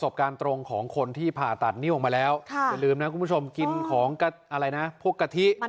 บางคนปวดหลังตลอดเลื้อรังก็ไม่รู้ว่า